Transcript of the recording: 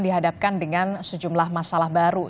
dihadapkan dengan sejumlah masalah baru